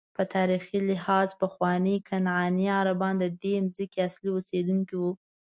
په تاریخي لحاظ پخواني کنعاني عربان ددې ځمکې اصلي اوسېدونکي وو.